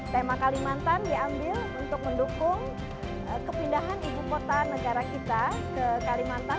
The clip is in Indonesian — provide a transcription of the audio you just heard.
tema kalimantan diambil untuk mendukung kepindahan ibu kota negara kita ke kalimantan